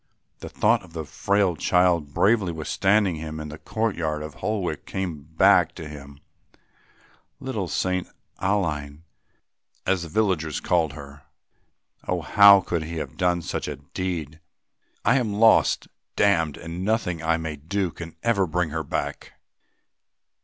The thought of the frail child bravely withstanding him in the courtyard of Holwick came back to him, "little St. Aline," as the villagers called her. Oh! how could he have done such a deed? "I am lost, damned, and nothing I may do can ever bring her back.